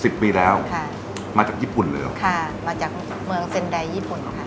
ปีแล้วค่ะมาจากญี่ปุ่นเลยเหรอค่ะมาจากเมืองเซ็นไดญี่ปุ่นค่ะ